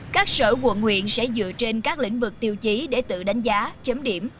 các sở quận huyện sẽ dựa trên các lĩnh vực tiêu chí để tự đánh giá chấm điểm